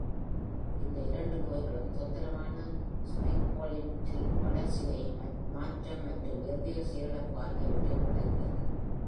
இந்த இரண்டு நோய்களும் தொந்தரவான ஸ்பிங்கோலிப்பிட் வளர்சிதை மாற்றம் மற்றும் இருதய செயலிழப்பு ஆகியவற்றை உள்ளடக்கியது.